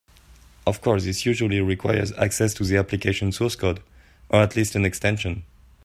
Of course, this usually requires access to the application source code (or at least an extension).